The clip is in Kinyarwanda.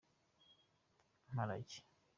imparage.